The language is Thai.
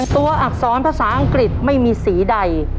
ตัวอักษรภาษาอังกฤษไม่มีสีใด